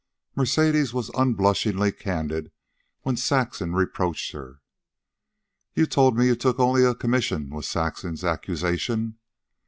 Mercedes was unblushingly candid when Saxon reproached her. "You told me you took only a commission," was Saxon's accusation.